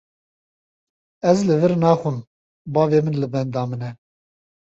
Ez li vir naxwim, bavê min li benda min e.